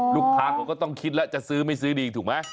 ลูกค้าเขาก็ต้องคิดแล้วจะซื้อไม่ซื้อดีถูกไหม